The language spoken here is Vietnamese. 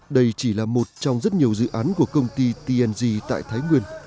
đây chỉ là một trong rất nhiều dự án của công ty tng tại thái nguyên